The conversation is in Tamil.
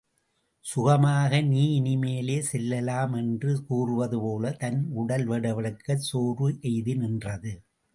சுகமாக நீ இனி மேலே செல்லலாம் என்று கூறுவதுபோலத் தன் உடல் வெடவெடக்கச் சோர்வு எய்தி நின்றது.